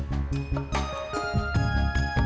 si diego udah mandi